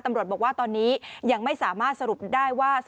ตำรวจบอกว่าตอนนี้ยังไม่สามารถสรุปได้ว่า